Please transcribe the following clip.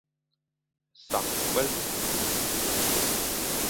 Sañ ñgwel.